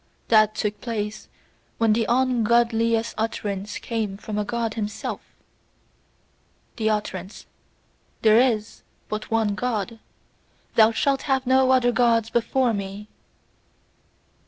That took place when the unGodliest utterance came from a God himself the utterance: "There is but one God! Thou shalt have no other Gods before me!"